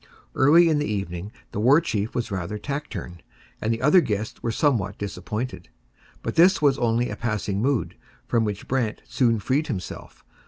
Early in the evening the War Chief was rather taciturn, and the other guests were somewhat disappointed. But this was only a passing mood, from which Brant soon freed himself.